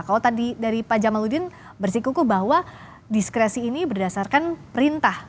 kalau tadi dari pak jamaludin bersikuku bahwa diskresi ini berdasarkan perintah